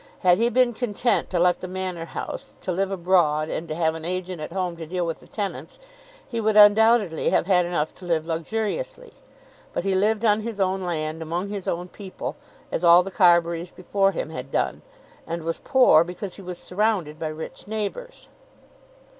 Had he been content to let the Manor House, to live abroad, and to have an agent at home to deal with the tenants, he would undoubtedly have had enough to live luxuriously. But he lived on his own land among his own people, as all the Carburys before him had done, and was poor because he was surrounded by rich neighbours.